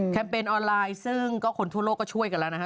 เปญออนไลน์ซึ่งก็คนทั่วโลกก็ช่วยกันแล้วนะฮะ